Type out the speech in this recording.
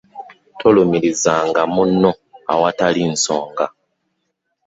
Tolumirizanga munno awatali nsonga.